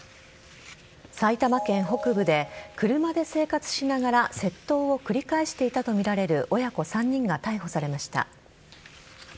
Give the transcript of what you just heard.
埼玉県北部で車で生活しながら窃盗を繰り返していたとみられる親子３人が逮捕されました。